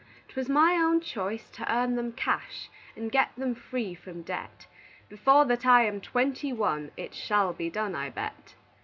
'Twas my own choice to earn them cash, And get them free from debt; Before that I am twenty one It shall be done, I bet.